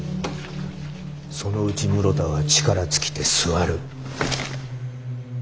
そのうち室田は力尽きて座る。